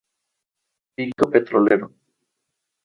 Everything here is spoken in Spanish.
Pico petrolero